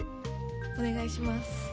おねがいします。